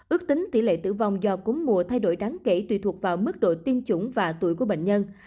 ước tính tỷ lệ tử vong do cúm mùa thay đổi đáng kể tùy thuộc vào mức độ tiêm chủng và tuổi của bệnh nhân